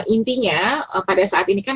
intinya pada saat ini kan